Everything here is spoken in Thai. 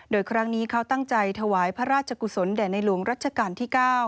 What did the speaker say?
โดยครั้งนี้เขาตั้งใจถวายพระราชกุศลแด่ในหลวงรัชกาลที่๙